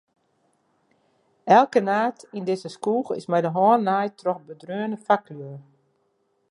Elke naad yn dizze skoech is mei de hân naaid troch bedreaune faklju.